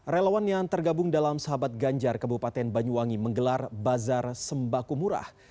relawan yang tergabung dalam sahabat ganjar kabupaten banyuwangi menggelar bazar sembako murah